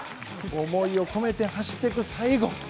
思いを込めて走っていく最後。